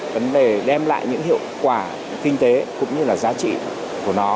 vấn đề đem lại những hiệu quả kinh tế cũng như là giá trị của nó